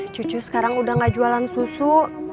cucu sekarang udah gak jualan susu